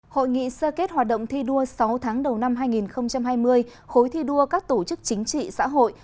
hội nghị sơ kết hoạt động thi đua sáu tháng đầu năm hai nghìn hai mươi khối thi đua các tổ chức chính trị xã hội